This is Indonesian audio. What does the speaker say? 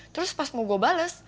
terus pas mau gue bales